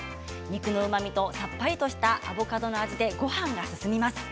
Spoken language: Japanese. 肉のうまみとさっぱりしたアボカドの味でごはんが進みます。